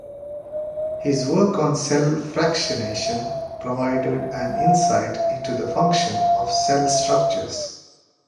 His work on cell fractionation provided an insight into the function of cell structures.